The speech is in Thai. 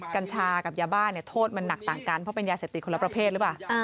กัญชากับยาบ้าเนี่ยโทษมันหนักต่างกันเพราะเป็นยาเสพติดคนละประเภทหรือเปล่า